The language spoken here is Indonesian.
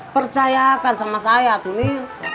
percayakan sama saya tumir